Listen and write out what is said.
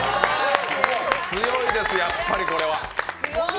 強いです、やっぱりこれは。